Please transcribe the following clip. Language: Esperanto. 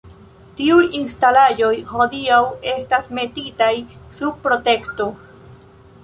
Tiuj instalaĵoj hodiaŭ estas metitaj sub protekto.